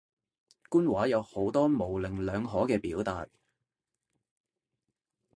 官話有好多模棱兩可嘅表達